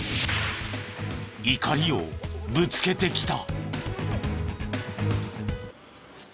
怒りをぶつけてきた。